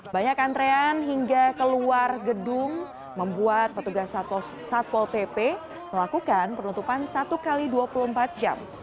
banyak antrean hingga keluar gedung membuat petugas satpol pp melakukan penutupan satu x dua puluh empat jam